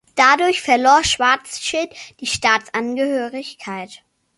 Dadurch verlor Schwarzschild die Staatsangehörigkeit.